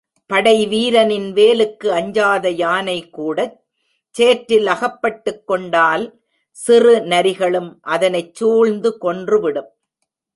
படைவீரனின் வேலுக்கு அஞ்சாத யானைகூடச் சேற்றில் அகப்பட்டுக்கொண்டால் சிறு நரிகளும் அதனைச் சூழ்ந்து கொன்றுவிடும்.